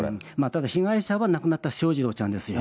ただ被害者は亡くなった翔士郎ちゃんですよ。